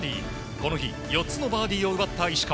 この日、４つのバーディーを奪った石川。